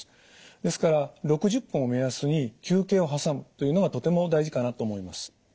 ですから６０分を目安に休憩を挟むというのがとても大事かなと思います。